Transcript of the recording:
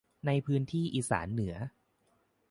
ในพื้นที่อิสานเหนือ